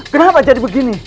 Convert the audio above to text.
kenapa jadi begini